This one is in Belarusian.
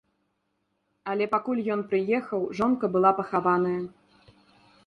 Але пакуль ён прыехаў, жонка была пахаваная.